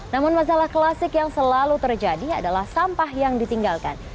namun masalah klasik yang selalu terjadi adalah sampah yang ditinggalkan